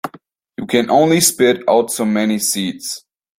You can only spit out so many seeds.